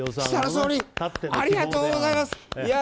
総理ありがとうございます！